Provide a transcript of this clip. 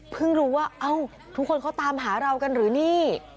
รู้ว่าเอ้าทุกคนเขาตามหาเรากันหรือนี่